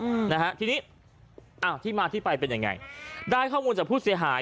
อืมนะฮะทีนี้อ่าที่มาที่ไปเป็นยังไงได้ข้อมูลจากผู้เสียหาย